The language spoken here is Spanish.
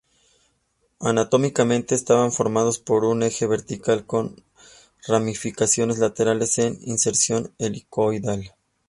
Anatómicamente estaban formados por un eje vertical con ramificaciones laterales en inserción helicoidal.